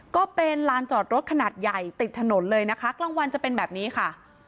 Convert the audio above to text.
ก็เป็นลานจอดรถขนาดใหญ่ติดถนนเลยนะคะกลางวันจะเป็นแบบนี้ค่ะ